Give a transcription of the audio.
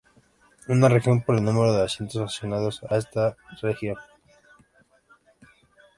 Una región por el número de asientos asignados a esta región.